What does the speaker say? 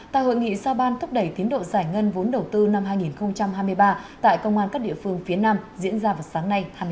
tại hội nghị sao ban thúc đẩy tiến độ giải ngân vốn đầu tư năm hai nghìn hai mươi ba tại công an các địa phương phía nam diễn ra vào sáng nay hai mươi